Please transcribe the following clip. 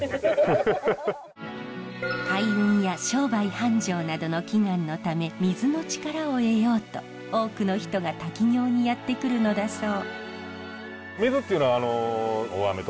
開運や商売繁盛などの祈願のため水の力を得ようと多くの人が滝行にやって来るのだそう。